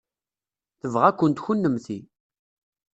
Tebɣa-kent kennemti.